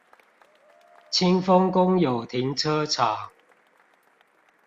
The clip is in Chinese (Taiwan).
清豐公有停車場